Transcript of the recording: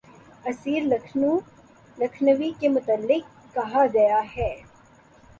اسیر لکھنوی کے متعلق کہا گیا ہے